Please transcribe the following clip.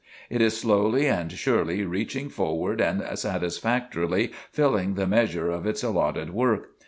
It is slowly and surely reaching forward and satisfactorily filling the measure of its allotted work....